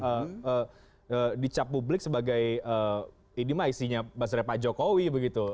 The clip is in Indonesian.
yang dicap publik sebagai ini mah isinya buzzernya pak jokowi begitu